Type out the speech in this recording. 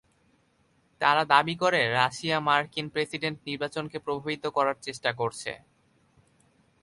তারা দাবি করে, রাশিয়া মার্কিন প্রেসিডেন্ট নির্বাচনকে প্রভাবিত করার চেষ্টা করছে।